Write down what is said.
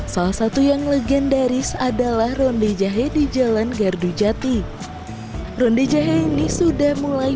salah satu yang legendaris adalah ronde jahe di jalan gardu jati runde jahe ini sudah mulai